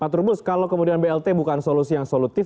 pak trubus kalau kemudian blt bukan solusi yang solutif